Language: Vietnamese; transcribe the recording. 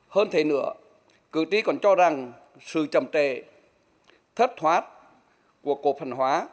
hơn thế nữa cử trí còn cho rằng sự chậm chế thất thoát của cổ phần hóa